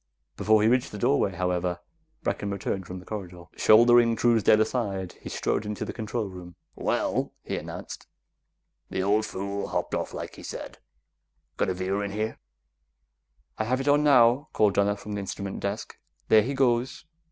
Before he reached the doorway, however, Brecken returned from the corridor. Shouldering Truesdale aside, he strode into the control room. "Well," he announced, "the old fool hopped off like he said. Got a viewer in here?" "I have it on now," called Donna from the instrument desk. "There he goes."